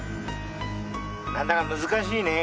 なかなか難しいね。